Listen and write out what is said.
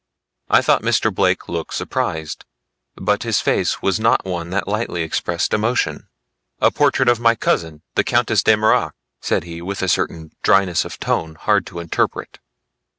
I thought Mr. Blake looked surprised, but his face was not one that lightly expressed emotion. "A portrait of my cousin the Countess De Mirac," said he with a certain dryness of tone hard to interpret.